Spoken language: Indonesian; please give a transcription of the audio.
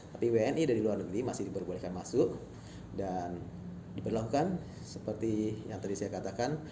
tapi wni dari luar negeri masih diperbolehkan masuk dan diperlakukan seperti yang tadi saya katakan